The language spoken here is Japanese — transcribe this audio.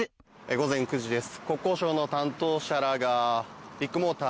午前９時です。